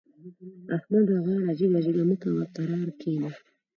احمده! غره جګه جګه مه کوه؛ کرار کېنه.